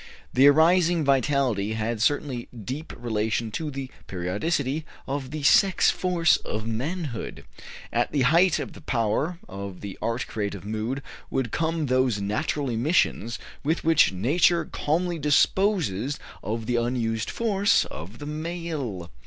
The arising vitality had certainly deep relation to the periodicity of the sex force of manhood. At the height of the power of the art creative mood would come those natural emissions with which Nature calmly disposes of the unused force of the male.